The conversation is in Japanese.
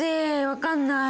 分かんない。